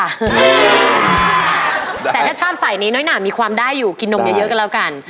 แต่ถ้าชอบใส่นี้น้อยหนามีความได้อยู่กินนมเยอะก็แล้วกัน